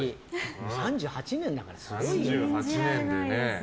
３８年だから、すごいよ。